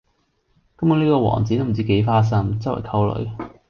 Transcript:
根本呢個王子都不知幾花心,周圍溝女